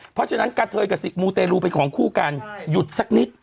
เพราะฉะนั้นกะเทยกับมูเตรลูเป็นของคู่กันหยุดสักนิด